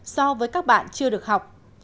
so với các bạn chưa được học